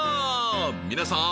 皆さん。